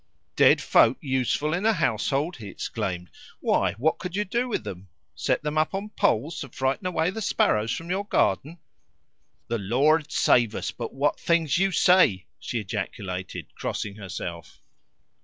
"Dead folk useful in a household!" he exclaimed. "Why, what could you do with them? Set them up on poles to frighten away the sparrows from your garden?" "The Lord save us, but what things you say!" she ejaculated, crossing herself.